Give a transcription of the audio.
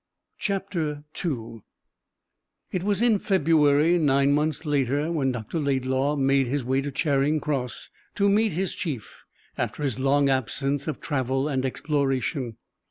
2 It was in February, nine months later, when Dr. Laidlaw made his way to Charing Cross to meet his chief after his long absence of travel and exploration.